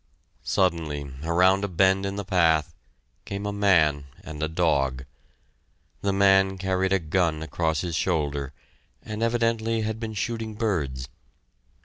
Suddenly, around a bend in the path, came a man and a dog. The man carried a gun across his shoulder, and evidently had been shooting birds.